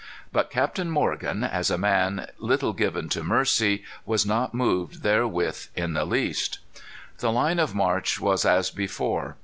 But Captain Morgan, as a man little given to mercy, was not moved therewith in the least." The line of march was as before.